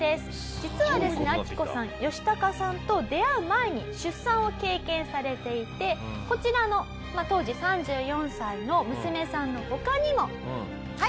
実はですねアキコさんヨシタカさんと出会う前に出産を経験されていてこちらの当時３４歳の娘さんの他にもはい。